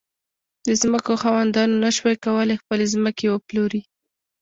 د ځمکو خاوندانو نه شوای کولای خپلې ځمکې وپلوري.